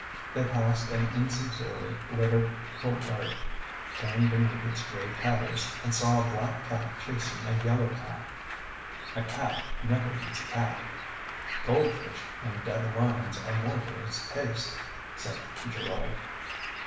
They passed an insincerely littered courtyard, tame beneath its gray tatters, and saw a black cat chasing a yellow cat. "A cat never eats a cat — goldfish and dead lions are more to his taste," said Geroid.